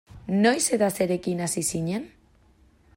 Noiz eta zerekin hasi zinen?